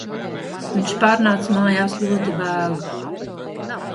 Viņš pārnāca mājās ļoti vēlu